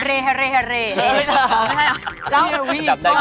เอาไปบอกพี่เอดด้วยนะ